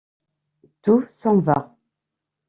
Tout s’en va.